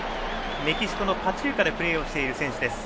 メキシコのパチューカでプレーをしています。